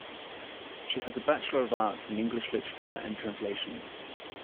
She has a Bachelor of Arts in English Literature and Translation.